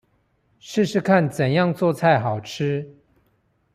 試試看怎樣做菜好吃